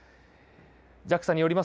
ＪＡＸＡによります